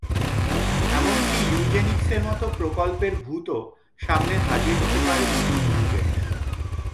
এমনকি ইউজেনিক্সের মতো প্রকল্পের ভূতও সামনে হাজির হতে পারে নতুন রূপে।